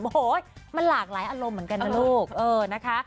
โอ้โหมันหลากหลายอารมณ์เหมือนกันนะลูกเออนะคะ